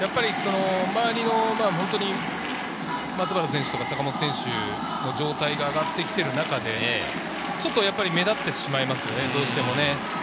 松原選手とか坂本選手の状態が上がってきている中でちょっと目立ってしまいますよね、どうしても。